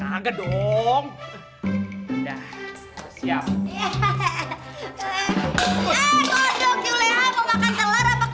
haa mau makan telor apa kodok